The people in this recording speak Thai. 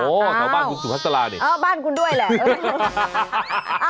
แถวบ้านคุณสุพัสรานี่เออบ้านคุณด้วยแหละ